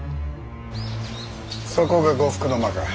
そこが呉服の間か。